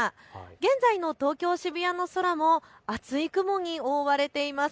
現在の東京渋谷の空も厚い雲に覆われています。